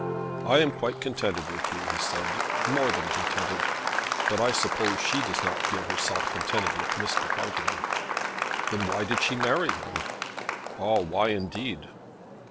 "I am quite contented with you," he said; "more than contented. But I suppose she does not feel herself contented with Mr. Houghton." "Then why did she marry him?" "Ah; why indeed."